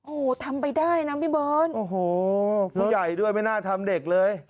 โอ้โหทำไปได้นะพี่เบิร์ตโอ้โหผู้ใหญ่ด้วยไม่น่าทำเด็กเลย